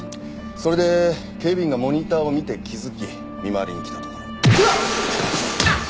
それで警備員がモニターを見て気づき見回りに来たところを。